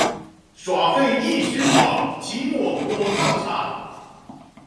耍廢一時爽，期末火葬場